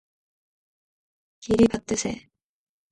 길이 받드세